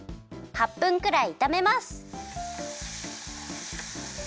８分くらいいためます。